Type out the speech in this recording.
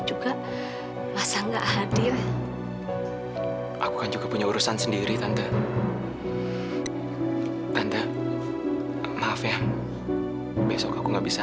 juga masa nggak hadir aku kan juga punya urusan sendiri tante tante maaf ya besok aku nggak bisa